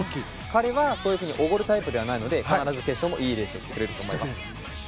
彼は、そういうふうにおごるタイプじゃないので必ず決勝もいいレースをしてくれると思います。